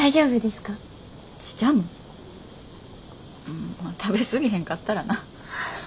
まあ食べ過ぎへんかったらな。